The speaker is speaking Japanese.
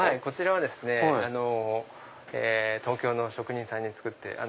こちらは東京の職人さんに作って。